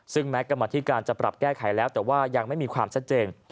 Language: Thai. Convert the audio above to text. กันมาที่การจะปรับแก้ไขแล้วแต่ว่ายังไม่มีความชัดเจน